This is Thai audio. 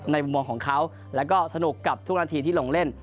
มุมมองของเขาแล้วก็สนุกกับทุกนาทีที่ลงเล่น